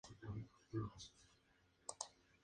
Actualmente juega en Jaguares del Super Rugby.